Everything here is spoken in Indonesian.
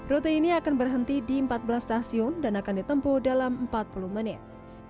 rute ini akan berhenti di empat belas stasiun dan akan ditempuh dalam empat puluh menit